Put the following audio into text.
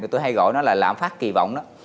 tôi hay gọi nó là lạm phát kỳ vọng đó